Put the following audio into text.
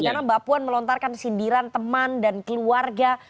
karena mbak puan melontarkan sindiran teman dan keluarga